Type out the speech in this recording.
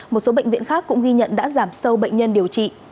một số bệnh viện khác cũng ghi nhận đã giảm sâu bệnh nhân điều trị